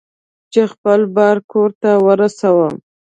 چې خپل بار کور ته ورسوم.